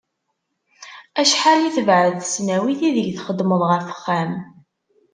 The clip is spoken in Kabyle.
Acḥal i tebεed tesnawit ideg txeddmeḍ ɣef uxxam?